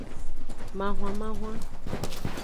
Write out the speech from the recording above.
Mahwanmahwan.